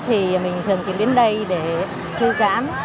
thì mình thường thì đến đây để thư giãn